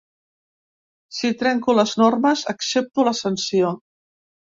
Si trenco les normes, accepto la sanció.